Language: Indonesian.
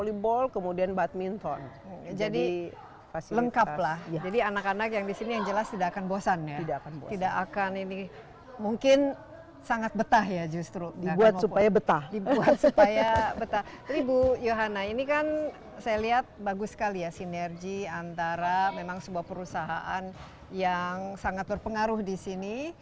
ibu johana ini kan saya lihat bagus sekali ya sinergi antara memang sebuah perusahaan yang sangat berpengaruh di sini